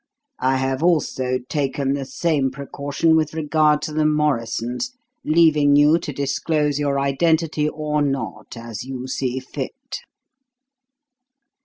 I have also taken the same precaution with regard to the Morrisons, leaving you to disclose your identity or not, as you see fit."